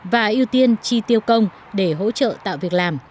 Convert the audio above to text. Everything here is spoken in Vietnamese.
và ưu tiên tri tiêu công để hỗ trợ tạo việc làm